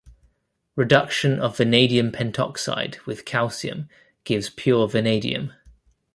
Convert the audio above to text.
Reduction of vanadium pentoxide with calcium gives pure vanadium.